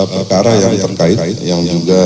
perkara yang terkait yang juga